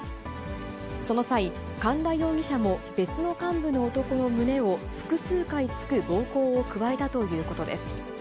その際、寒田容疑者も別の幹部の男の胸を複数回突く暴行を加えたということです。